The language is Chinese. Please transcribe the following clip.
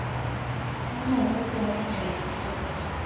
丹麦自动进入决赛圈。